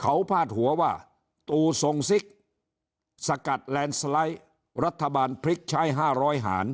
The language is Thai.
เขาพาดหัวว่าตูทรงซิกสกัดแลนด์สไลด์รัฐบาลพลิกใช้๕๐๐หาร